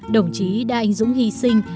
đồng chí đã anh dũng hy sinh